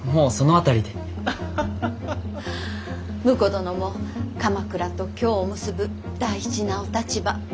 婿殿も鎌倉と京を結ぶ大事なお立場。